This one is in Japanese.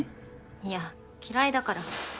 いや嫌いだから。